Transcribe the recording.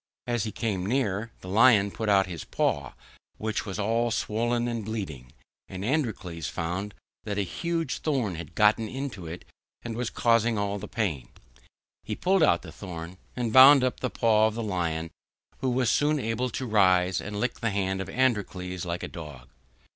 As he came near, the Lion put out his paw, which was all swollen and bleeding, and Androcles found that a huge thorn had got into it, and was causing all the pain. He pulled out the thorn and bound up the paw of the Lion, who was soon able to rise and lick the hand of Androcles like a dog.